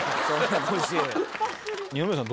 二宮さん